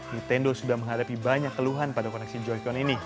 nintendo sudah menghadapi banyak keluhan pada koneksi joycon ini